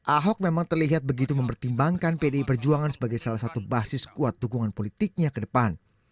ahok memang terlihat begitu mempertimbangkan pdi perjuangan sebagai salah satu basis kuat dukungan politiknya ke depan